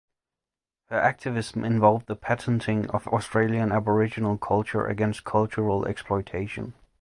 Her activism involved the patenting of Australian Aboriginal culture against cultural exploitation.